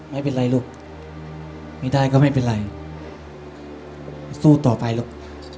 ไม่เป็นไรลูกไม่ได้ก็ไม่เป็นไรสู้ต่อไปลูก